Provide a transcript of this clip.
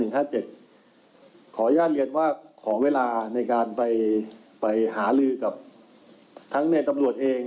ขออนุญาตเรียนว่าขอเวลาในการไปหาลือกับทั้งในตำรวจเอง